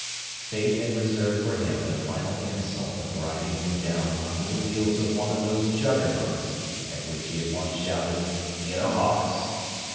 Fate had reserved for him the final insult of riding him down under the wheels of one of those juggernauts at which he had once shouted "Git a hoss!"